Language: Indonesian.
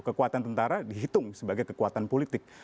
kekuatan tentara dihitung sebagai kekuatan politik